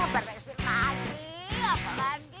beresin lagi apa lagi